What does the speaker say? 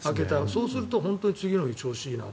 そうすると、本当に次の日、調子がいい。